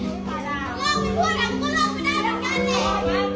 ลองไปพูดอ่ะมันก็ลองไปได้เหมือนกันเนี่ย